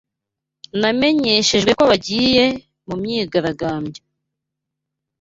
Namenyeshejwe ko bagiye mu myigaragambyo.